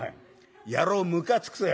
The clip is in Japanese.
野郎むかつくとよ」。